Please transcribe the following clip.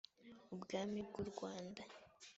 ubwami bw’u rwanda